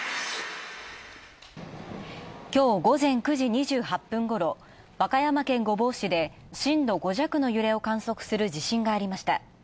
きょう午前９時２８分ごろ和歌山県御坊市で震度５弱の揺れを観測する地震がありました。